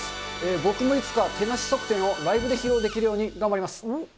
僕もいつか、手なし側転をライブで披露できるように頑張ります。